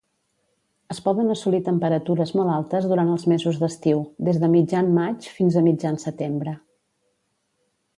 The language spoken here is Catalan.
Es poden assolir temperatures molt altes durant els mesos d'estiu, des de mitjan maig fins a mitjan setembre.